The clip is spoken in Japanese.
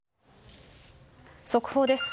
速報です。